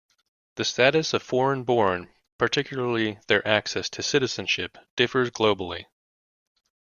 The status of foreign born - particularly their access to citizenship - differs globally.